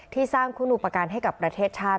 ที่สร้างคุณุประการให้กับประเทศชาติ